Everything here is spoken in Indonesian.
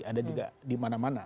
ada juga di mana mana